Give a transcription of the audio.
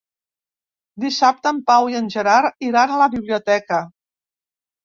Dissabte en Pau i en Gerard iran a la biblioteca.